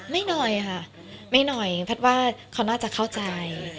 หน่อยค่ะไม่หน่อยแพทย์ว่าเขาน่าจะเข้าใจ